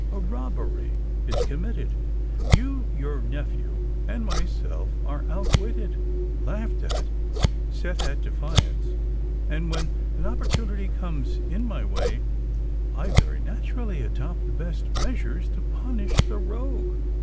A robbery is committed—you, your nephew, and myself are outwitted—laughed at—set at defiance,—and when an opportunity comes in my way, I very naturally adopt the best measures to punish the rogue."